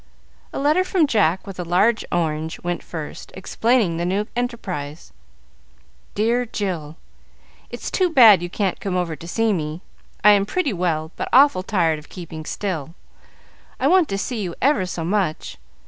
A letter from Jack, with a large orange, went first, explaining the new enterprise: "Dear Jill, It's too bad you can't come over to see me. I am pretty well, but awful tired of keeping still. I want to see you ever so much.